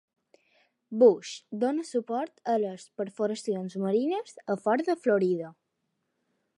Bush dona suport a les perforacions marines a fora de Florida.